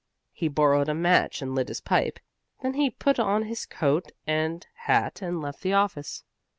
He borrowed a match and lit his pipe. Then he put on his coat and hat and left the office.